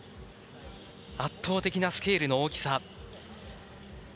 圧倒的なスケールの大きさ。